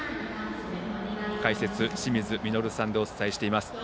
解説、清水稔さんでお伝えしています。